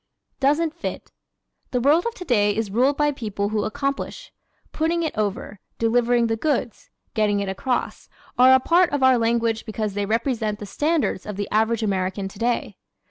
Doesn't Fit ¶ The world of today is ruled by people who accomplish. "Putting it over," "delivering the goods," "getting it across," are a part of our language because they represent the standards of the average American today.